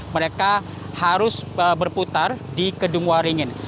mereka harus berputar di kedung waringin